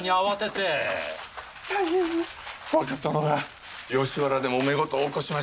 若殿が吉原でもめ事を起こしました。